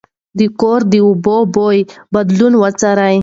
د کور د اوبو بوی بدلون وڅارئ.